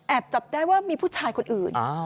แอบจับได้ว่ามีผู้ชายคนอื่นอ้าว